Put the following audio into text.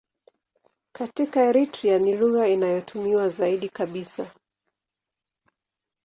Katika Eritrea ni lugha inayotumiwa zaidi kabisa.